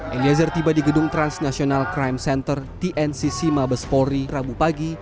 eliezer tiba di gedung transnational crime center tncc mabes polri rabu pagi